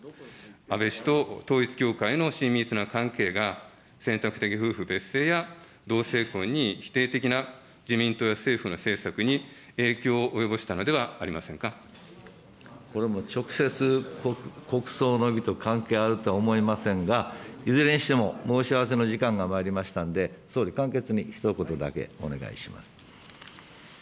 安倍氏と統一教会の親密な関係が、選択的夫婦別姓や、同性婚に否定的な自民党や政府の政策に影響をこれも直接、国葬の儀と関係あるとは思いませんが、いずれにしても申し合わせの時間がまいりましたので、総理、簡潔にひと言だけお願いします。